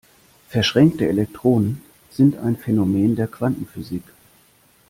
Verschränkte Elektronen sind ein Phänomen der Quantenphysik.